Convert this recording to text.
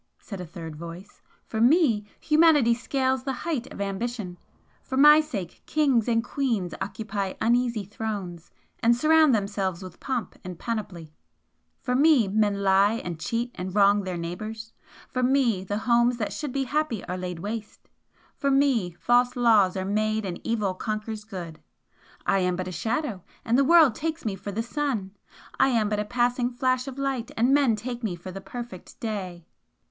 said a third voice "For me humanity scales the height of ambition for my sake king's and queens occupy uneasy thrones, and surround themselves with pomp and panoply for me men lie and cheat and wrong their neighbours for me the homes that should be happy are laid waste for me false laws are made and evil conquers good I am but a Shadow and the world takes me for the Sun! I am but a passing flash of light, and men take me for the perfect Day!"